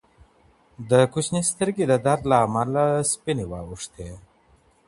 د ماشوم سترگې د درد له امله سپینې واوښتې.